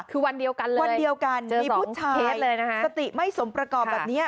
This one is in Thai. คือวันเดียวกันเลยมีผู้ชายสติไม่สมประกอบแบบนี้